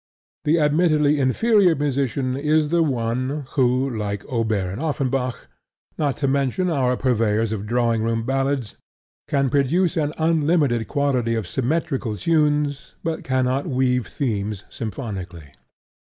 The admittedly inferior musician is the one who, like Auber and Offenbach, not to mention our purveyors of drawing room ballads, can produce an unlimited quantity of symmetrical tunes, but cannot weave themes symphonically.